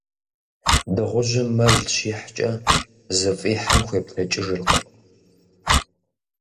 Дыгъужьым мэл щихькӀэ, зыфӀихьым хуеплъэкӀыжыркъым.